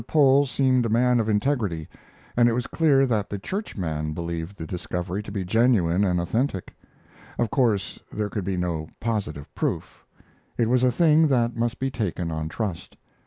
Pole seemed a man of integrity, and it was clear that the churchman believed the discovery to be genuine and authentic. Of course there could be no positive proof. It was a thing that must be taken on trust.